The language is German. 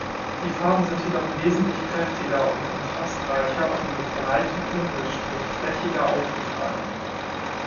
Die Farben sind jedoch wesentlich kräftiger und kontrastreicher und mit breitem Pinselstrich flächiger aufgetragen.